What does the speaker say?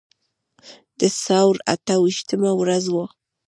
د ثور اته ویشتمه ورځ وه.